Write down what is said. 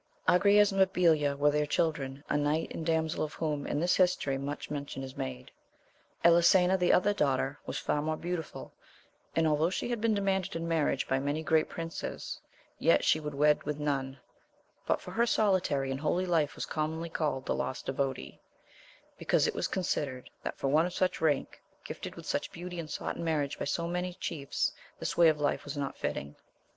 Agrayes and Mabilia were their children, a knight and damsel of whom in this history much mention is made. Elisena the other daughter was far more beautiful, and although she had been demanded in marriage by many great princes, yet she would wed with none, but for her solitary and holy life was commonly called the Lost Devotee,* because it was considered that for one of such rank, gifted with such beauty and sought in marriage by so many chiefs, this way of life was not fitting.